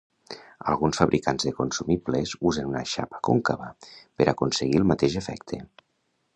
Alguns fabricants de consumibles usen una xapa còncava per aconseguir el mateix efecte.